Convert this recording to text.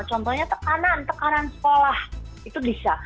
contohnya tekanan tekanan sekolah itu bisa